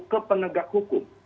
ke penegak hukum